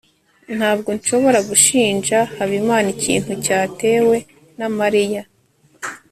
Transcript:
ntabwo nshobora gushinja habimana ikintu cyatewe na mariya